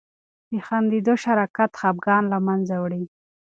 د خندیدو شراکت خفګان له منځه وړي.